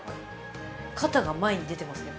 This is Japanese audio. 肩が前に出てますね